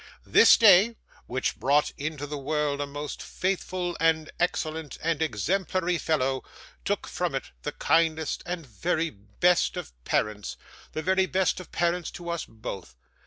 This day, which brought into the world a most faithful and excellent and exemplary fellow, took from it the kindest and very best of parents, the very best of parents to us both.